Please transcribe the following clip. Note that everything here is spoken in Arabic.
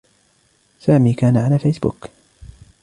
سامي كان على فيسبوك.